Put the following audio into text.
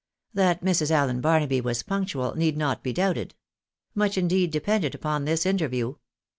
That Mrs. Allen Barnaby was punctual need not be doubted. Much indeed depended upon this interview.